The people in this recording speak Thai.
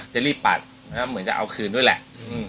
จะรีบปาดเหมือนจะเอาคืนด้วยแหละ